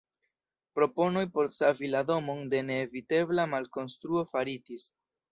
Proponoj por savi la domon de neevitebla malkonstruo faritis.